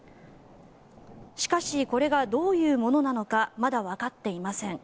しかし、これがどういうものなのかまだわかっていません。